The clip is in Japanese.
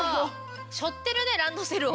しょってるねランドセルを。